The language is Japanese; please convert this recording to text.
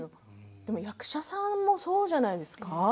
でも役者さんもそうじゃないですか。